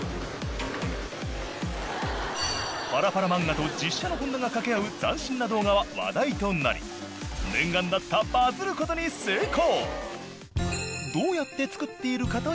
パラパラ漫画と実写の本多が掛け合う斬新な動画は話題となり念願だったバズることに成功！